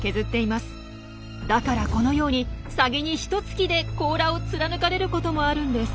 だからこのようにサギに一突きで甲羅を貫かれることもあるんです。